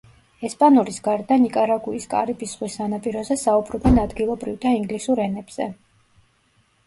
ესპანურის გარდა ნიკარაგუის კარიბის ზღვის სანაპიროზე საუბრობენ ადგილობრივ და ინგლისურ ენებზე.